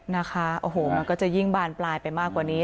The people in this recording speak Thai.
นะคะโอ้โหมันก็จะยิ่งบานปลายไปมากกว่านี้